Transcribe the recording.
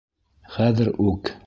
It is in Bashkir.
Хәҙер үк.